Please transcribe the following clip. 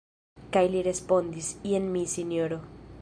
Kaj li respondis: Jen mi, Sinjoro.